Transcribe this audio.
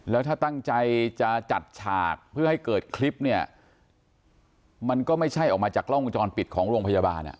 แล้วถ้าตั้งใจจะจัดฉากเพื่อให้เกิดคลิปเนี่ยมันก็ไม่ใช่ออกมาจากกล้องวงจรปิดของโรงพยาบาลอ่ะ